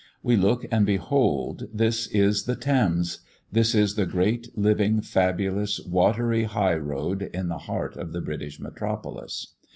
We look and behold this is the Thames! This is the great, living, fabulous, watery high road in the heart of the British metropolis.